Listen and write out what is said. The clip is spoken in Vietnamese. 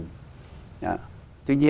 tuy nhiên là cái khác của mình là